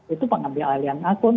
itu pengambil alih alih akun